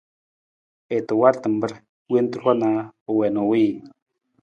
I ta wal tamar wonta ru na u wii na u wiiji.